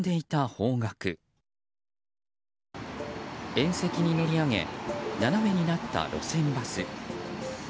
縁石に乗り上げ斜めになった路線バス。